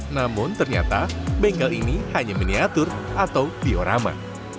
namun ternyata bengkel ini hanya miniatur atau diorama